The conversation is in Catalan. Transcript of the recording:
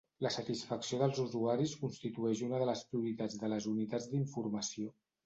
La satisfacció dels usuaris constitueix una de les prioritats de les unitats d’informació.